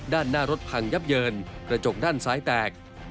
ด้านหน้ารถพังยับเยินกระจกด้านซ้ายแตก